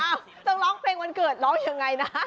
อ้าวต้องร้องเพลงวันเกิดร้องอย่างไรนะ